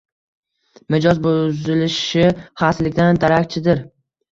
Mijoz buzilishi xastalikdan darakchidir.